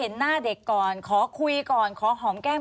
ควิทยาลัยเชียร์สวัสดีครับ